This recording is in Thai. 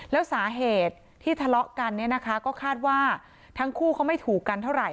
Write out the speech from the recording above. แล้วสาเหตุที่ทะเลาะกันเนี่ยนะคะก็คาดว่าทั้งคู่เขาไม่ถูกกันเท่าไหร